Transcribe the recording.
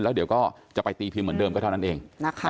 เดี๋ยวก็จะไปตีพิมเหมือนเดิมเท่านั้นเอง